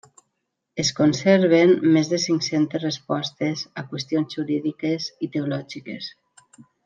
Es conserven més de cinc-centes respostes a qüestions jurídiques i teològiques.